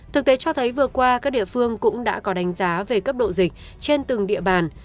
thực tế cho thấy vừa qua các địa phương cũng đã có đánh giá về cấp độ dịch trên từng địa bàn